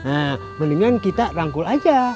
nah mendingan kita rangkul aja